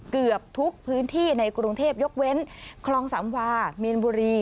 เกือบทุกพื้นที่ในกรุงเทพยกเว้นคลองสามวามีนบุรี